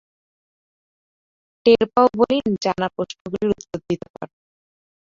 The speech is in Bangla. টের পাও বলেই জানা প্রশ্নগুলির উত্তর দিতে পার।